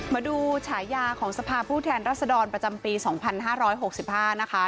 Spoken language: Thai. มาดูฉายาของสภาพผู้แทนรัศดรประจำปีสองพันห้าร้อยหกสิบห้านะคะ